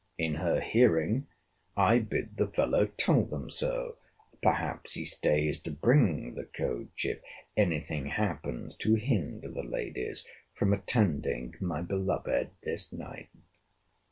In her hearing I bid the fellow tell them so. Perhaps he stays to bring the coach, if any thing happens to hinder the ladies from attending my beloved this night.